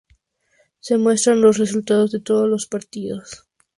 Se muestran los resultados de todos los partidos.